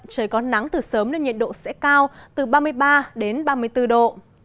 trời có nắng từ sớm nên nhiệt độ sẽ cao từ ba mươi ba đến ba mươi bốn độ